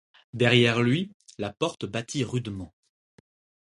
Derrière lui, la porte battit rudement.